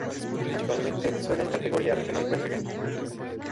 Actualmente juega en categoría regional preferente.